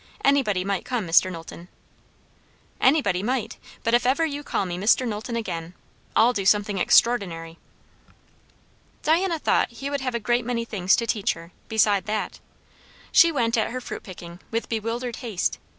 "Anybody might come, Mr. Knowlton." "Anybody might! But if ever you call me 'Mr. Knowlton' again I'll do something extraordinary." Diana thought he would have a great many things to teach her, beside that. She went at her fruit picking with bewildered haste.